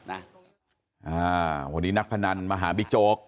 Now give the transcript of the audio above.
อ่าววันนี้นักพนันมหาบิโจ๊ก